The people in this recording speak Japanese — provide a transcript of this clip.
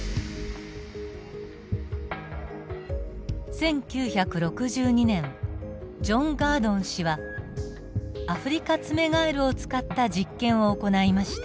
１９６２年ジョン・ガードン氏はアフリカツメガエルを使った実験を行いました。